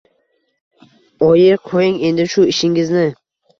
Oyi, qo‘ying endi shu ishingizni...